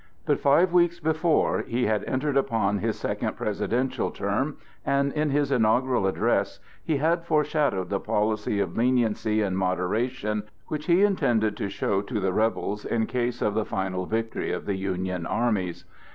But five weeks before, he had entered upon his second presidential term, and in his inaugural address he had foreshadowed the policy of leniency and moderation which he intended to show to the "rebels" in case of the final victory of the Union armies.